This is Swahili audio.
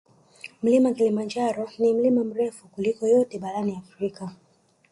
Mlima kilimanjaro ni mlima mrefu kuliko yote barani Afrika